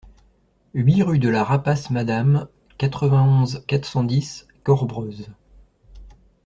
huit rue de la Rapasse Madame, quatre-vingt-onze, quatre cent dix, Corbreuse